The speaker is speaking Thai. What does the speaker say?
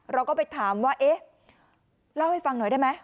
เราก็ไปถามว่าเอ๊ะเล่าให้ฟังหน่อยได้ไหม